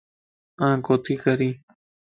آن ڪوتي ڪرين